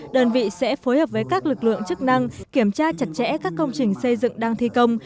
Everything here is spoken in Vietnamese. đơn vị sẽ phối hợp với các lực lượng chức năng kiểm tra chặt chẽ các công trình xây dựng đang thi công